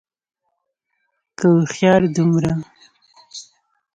که هوښيار دومره